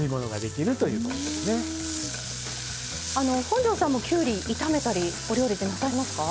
本上さんもきゅうり炒めたりお料理でなさいますか？